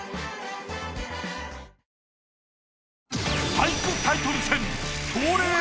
俳句タイトル戦。